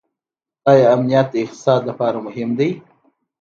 آیا امنیت د اقتصاد لپاره مهم دی؟